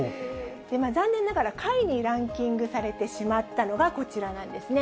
残念ながら、下位にランキングされてしまったのがこちらなんですね。